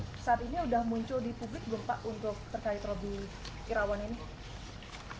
saat ini sudah muncul di publik belum pak untuk terkait roby kirawan ini